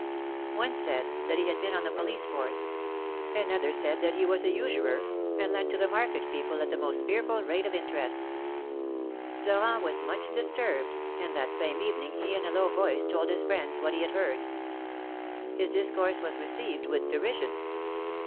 One said that he had been on the police force ; another that he was a usurer, and lent to the market people at the most fearful rate of interest. THE MARKETS OF PARIS. 173 Florent was much disturbed, and that same evening he in a low voice told his friends what he had heard. His discourse was received with derision.